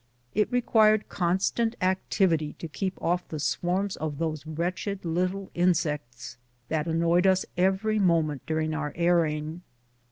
It re quired constant activity to keep off the swarms of those wretched little insects that annoyed us every moment during our airing.